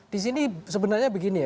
disini sebenarnya begini ya